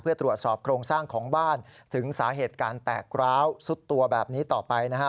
เพื่อตรวจสอบโครงสร้างของบ้านถึงสาเหตุการแตกร้าวสุดตัวแบบนี้ต่อไปนะฮะ